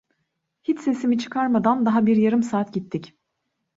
Hiç sesimi çıkarmadan daha bir yarım saat gittik.